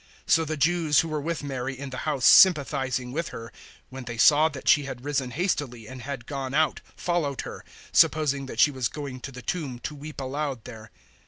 011:031 So the Jews who were with Mary in the house sympathizing with her, when they saw that she had risen hastily and had gone out, followed her, supposing that she was going to the tomb to weep aloud there.